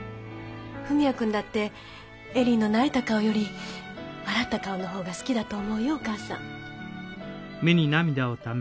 文也君だって恵里の泣いた顔より笑った顔の方が好きだと思うよお母さん。